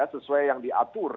sesuai yang diatur